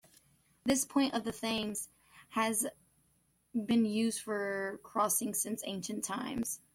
This point of the Thames has been used for crossing since ancient times.